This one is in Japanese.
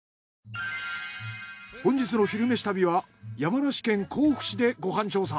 本日の「昼めし旅」は山梨県甲府市でご飯調査。